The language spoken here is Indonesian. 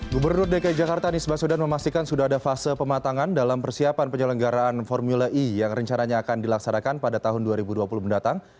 gubernur dki jakarta nisbah sudan memastikan sudah ada fase pematangan dalam persiapan penyelenggaraan formula e yang rencananya akan dilaksanakan pada tahun dua ribu dua puluh mendatang